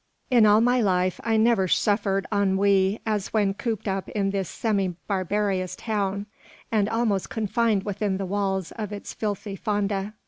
In all my life I never suffered ennui as when cooped up in this semi barbarous town, and almost confined within the walls of its filthy Fonda.